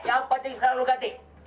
yang penting sekarang lu ganti